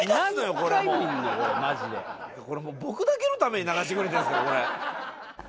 これ、僕だけのために流してくれてるんですか、これ。